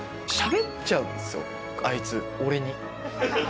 しゃべっちゃうんですよ、あいつ、俺に。